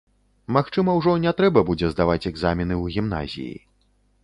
Магчыма, ужо не трэба будзе здаваць экзамены ў гімназіі.